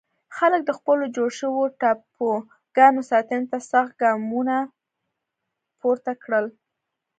خلک د خپلو جوړ شوو ټاپوګانو ساتنې ته سخت ګامونه پورته کړل.